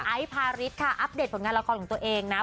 พาริสค่ะอัปเดตผลงานละครของตัวเองนะ